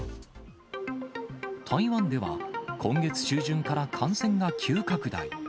台湾では、今月中旬から感染が急拡大。